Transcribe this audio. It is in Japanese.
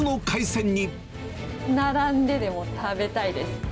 並んででも食べたいです。